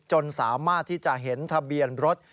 จนสามารถที่จะเห็นทะเบียนรถ